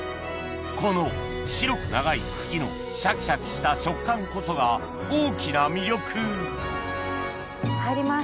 この白く長い茎のシャキシャキした食感こそが大きな魅力入ります。